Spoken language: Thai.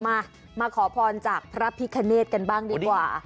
มามาขอพรจากพระพิคเนธกันบ้างดีกว่า